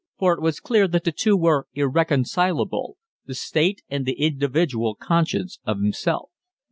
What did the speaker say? For it was clear that the two were irreconcilable, the state and the individual conscious of himself.